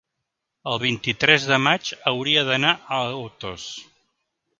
El vint-i-tres de maig hauria d'anar a Otos.